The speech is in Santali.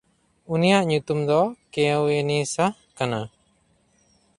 ᱩᱱᱤᱭᱟᱜ ᱧᱩᱛᱩᱢ ᱫᱚ ᱠᱮᱶᱤᱱᱤᱥᱦᱟ ᱠᱟᱱᱟ᱾